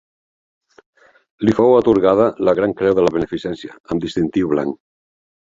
Li fou atorgada la Gran Creu de la Beneficència amb distintiu blanc.